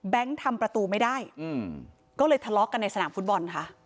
ทำประตูไม่ได้ก็เลยทะเลาะกันในสนามฟุตบอลค่ะ